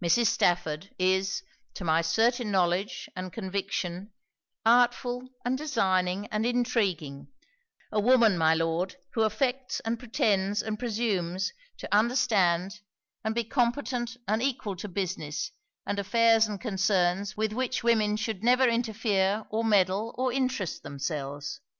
Mrs. Stafford is, to my certain knowledge and conviction, artful and designing and intrigueing; a woman, my Lord, who affects and pretends and presumes to understand and be competent and equal to business and affairs and concerns with which women should never interfere or meddle or interest themselves.